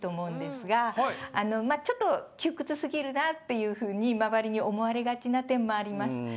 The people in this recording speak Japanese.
まあちょっと窮屈すぎるなっていうふうに周りに思われがちな点もあります。